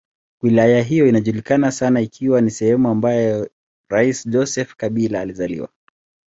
Wilaya hiyo inajulikana sana ikiwa ni sehemu ambayo rais Joseph Kabila alizaliwa.